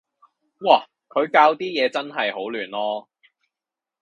嘩，佢校啲嘢真係好亂囉